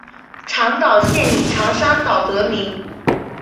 长岛县以长山岛得名。